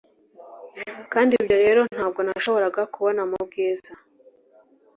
Kandi ibyo rero ntabwo nashoboraga kubona mubwiza